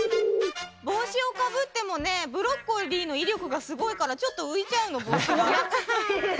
ぼうしをかぶってもねブロッコリーのいりょくがすごいからちょっとういちゃうのぼうしが。